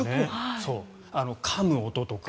かむ音とか。